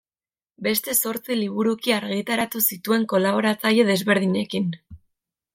Beste zortzi liburuki argitaratu zituen kolaboratzaile desberdinekin.